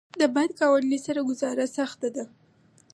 د بد ګاونډي سره ګذاره سخته ده.